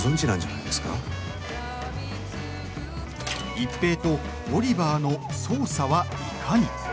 一平とオリバーの捜査はいかに。